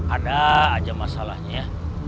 ada aja masalahnya